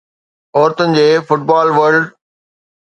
عورتن جي football world